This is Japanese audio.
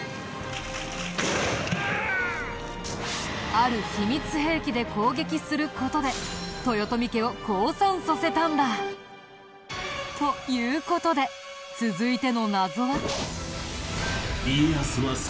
ある秘密兵器で攻撃する事で豊臣家を降参させたんだ。という事で続いての謎は。